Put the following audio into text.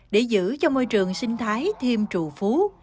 để giữ cho môi trường sinh thái thêm trụ phú